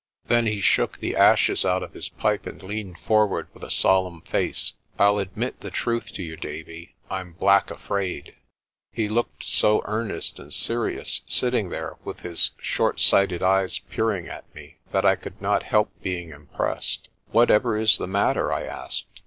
Then he shook the ashes out of his pipe and leaned for ward with a solemn face. "I'll admit the truth to you, Davie. Pm black afraid." He looked so earnest and serious sitting there with his short sighted eyes peering at me that I could not help being impressed. "Whatever is the matter?" I asked.